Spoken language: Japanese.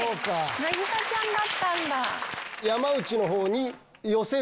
凪咲ちゃんだったんだ。